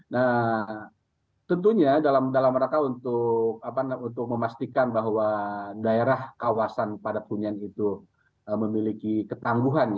nah tentunya dalam mereka untuk memastikan bahwa daerah kawasan pada punyian itu memiliki ketangguhan